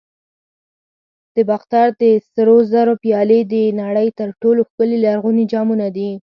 د باختر د سرو زرو پیالې د نړۍ تر ټولو ښکلي لرغوني جامونه دي